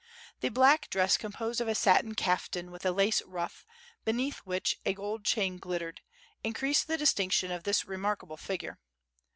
The black dress composed of a satin kaftan with a lace ruff, beneath which a gold chain glittered, increased the distinction of this remarkable figure.